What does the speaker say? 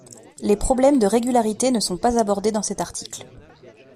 Les problèmes de régularité ne sont pas abordés dans cet article.